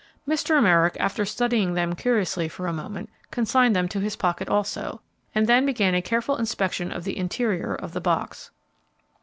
Mr. Merrick, after studying them curiously for a moment, consigned them to his pocket also, and then began a careful inspection of the interior of the box.